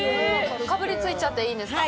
かぶりついちゃっていいですか？